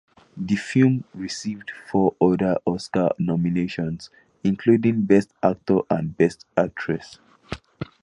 The film received four other Oscar nominations, including Best Actor and Best Actress.